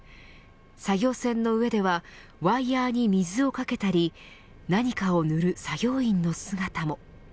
作業船の上ではワイヤーに水をかけたり何かを塗る作業員の姿も。